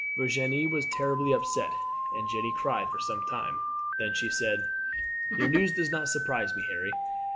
Virginie was terribly upset, and Jeanne cried for some time, then she said: "Your news does not surprise me, Harry.